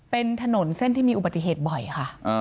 เป็นถนนเส้นที่มีอุบัติเหตุบ่อยค่ะ